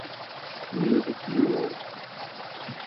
Music Bureau“.